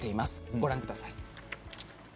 ご覧ください。